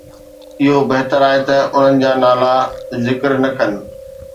اهو بهتر آهي ته انهن جا نالا ذڪر نه ڪن.